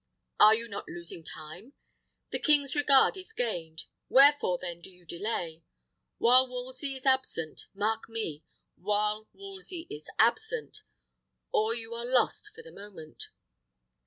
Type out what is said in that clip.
Are you not losing time? The king's regard is gained; wherefore, then, do you delay? While Wolsey is absent mark me! while Wolsey is absent or you are lost for the moment."